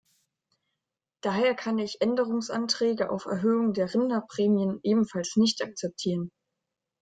Daher kann ich Änderungsanträge auf Erhöhung der Rinderprämien ebenfalls nicht akzeptieren.